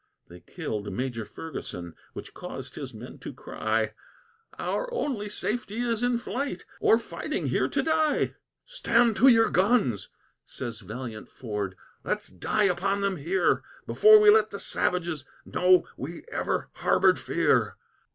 They killed Major Ferguson, which caused his men to cry, "Our only safety is in flight, or fighting here to die." "Stand to your guns," says valiant Ford; "let's die upon them here, Before we let the sav'ges know we ever harbored fear!"